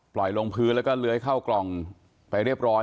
ลงพื้นแล้วก็เลื้อยเข้ากล่องไปเรียบร้อย